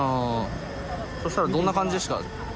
そうしたらどんな感じでした？